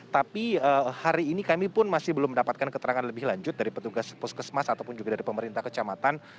tapi hari ini kami pun masih belum mendapatkan keterangan lebih lanjut dari petugas puskesmas ataupun juga dari pemerintah kecamatan